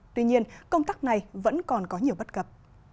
tuy nhiên công tác này vẫn còn có nhiều bất cập